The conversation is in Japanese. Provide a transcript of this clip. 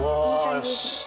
よし！